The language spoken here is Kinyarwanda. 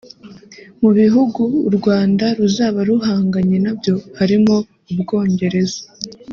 Mu bihugu u Rwanda ruzaba ruhanganye nabyo harimo; u Bwongereza